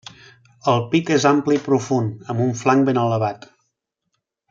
El pit és ample i profund, amb un flanc ben elevat.